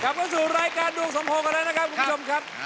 เข้าสู่รายการดวงสมพงษ์กันแล้วนะครับคุณผู้ชมครับ